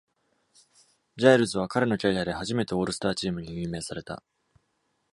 ジャイルズは彼のキャリアで初めてオールスターチームに任命された。